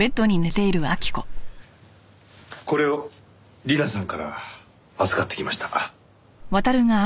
これを里奈さんから預かってきました。